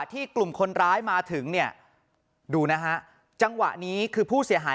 กลุ่มคนร้ายมาถึงเนี่ยดูนะฮะจังหวะนี้คือผู้เสียหาย